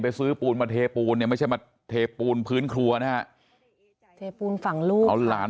ไปซื้อปูนมาเทปูนไม่ใช่มาเทปูนพื้นครัวนะฟังลูกเอาหลาน